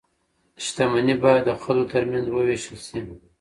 شتمني باید د خلکو ترمنځ وویشل شي.